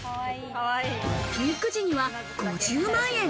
ピーク時には５０万円。